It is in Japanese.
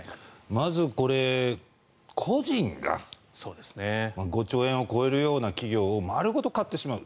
まずこれ、個人が５兆円を超えるような企業を丸ごと買ってしまう。